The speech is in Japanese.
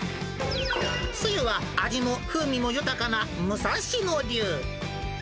つゆは、味も風味も豊かな武蔵野流。